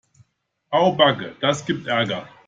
Au backe, das gibt Ärger.